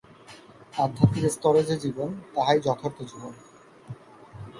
আধ্যাত্মিক স্তরে যে জীবন, তাহাই যথার্থ জীবন।